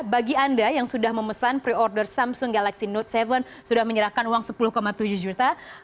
bagi anda yang sudah memesan pre order samsung galaxy note tujuh sudah menyerahkan uang sepuluh tujuh juta